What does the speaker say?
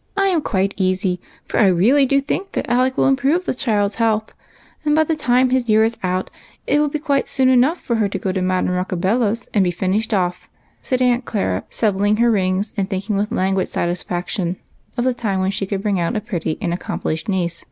" I am quite easy, for I really do think that Alec will improve the child's health ; and by the time his year is out, it will be quite soon enough for her to go to Madame Roccabella's and be finished off," said Aunt Clara, settling her rings, and thinking, with languid satisfaction, of the time when she could bring out a pretty and accomplished niece.